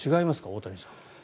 大谷さんは。